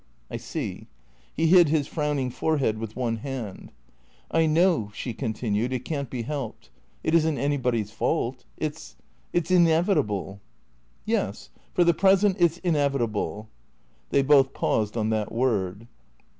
" I see." He hid his frowning forehead with one hand. " I know," she continued, " it can't be helped. It is n't any body's fault. It 's — it 's inevitable." " Yes. For the present it 's — inevitable." They both paused on that word.